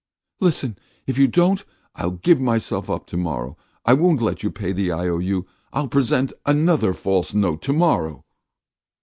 "Listen. If you don't, I'll give myself up tomorrow! I won't let you pay the IOU! I'll present another false note tomorrow!"